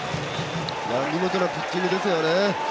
見事なピッチングですよね。